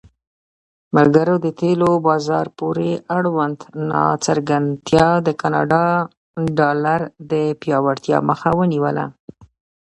مګر د تیلو بازار پورې اړوند ناڅرګندتیا د کاناډا ډالر د پیاوړتیا مخه ونیوله.